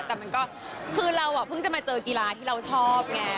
แต่มันก็คือเราเพิ่งจะมาเจอกีฬาที่เราชอบไง